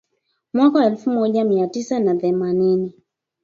Mwaka wa elfu moja mia tisa na themanini